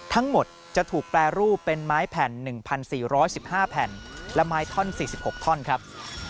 ทั้งหมดจะถูกแปรรูปเป็นไม้แผ่น๑๔๑๕แผ่นและไม้ท่อน๔๖ท่อนครับ